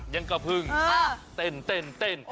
ยังกระพึงเต้นเต้นเต้น